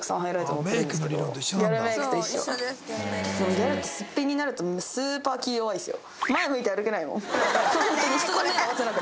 ギャルってすっぴんになるとスーパー気ぃ弱いっすよ。